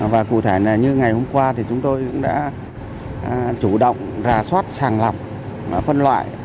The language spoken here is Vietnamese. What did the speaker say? và cụ thể là như ngày hôm qua thì chúng tôi cũng đã chủ động ra soát sàng lọc phân loại